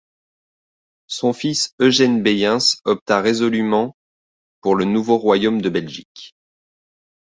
Son fils Eugène Beyens opta résolument pour le nouveau royaume de Belgique.